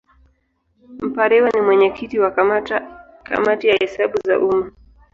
Mpariwa ni mwenyekiti wa Kamati ya Hesabu za Umma.